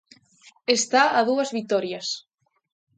Está a dúas vitorias.